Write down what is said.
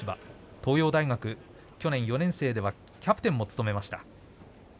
東洋大学、去年４年生ではキャプテンも務めました。